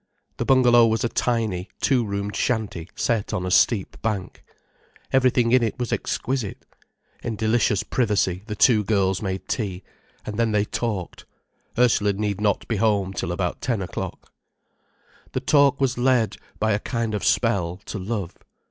The bungalow was a tiny, two roomed shanty set on a steep bank. Everything in it was exquisite. In delicious privacy, the two girls made tea, and then they talked. Ursula need not be home till about ten o'clock. The talk was led, by a kind of spell, to love.